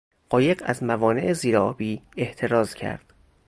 قایق از موانع زیر آبی احتراز کرد.